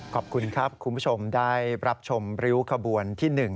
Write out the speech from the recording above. ขอบคุณครับคุณผู้ชมได้รับชมริ้วขบวนที่๑